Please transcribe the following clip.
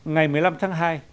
ngày một mươi năm tháng hai